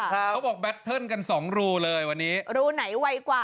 เขาบอกแบตเทิร์นกันสองรูเลยวันนี้รูไหนไวกว่า